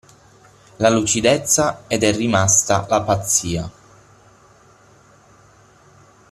La lucidezza ed è rimasta la pazzia!